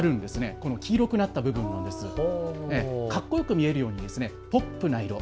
この黄色くなった部分なんですがかっこよく見えるようにポップな色。